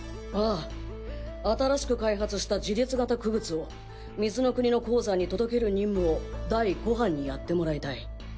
あぁ新しく開発した自律型傀儡を水の国の鉱山に届ける任務を第五班にやってもらいたい。